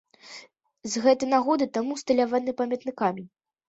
З гэтай нагоды там усталяваны памятны камень.